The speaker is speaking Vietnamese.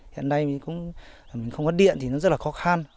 hiện nay mình cũng không có điện thì nó rất là khó khăn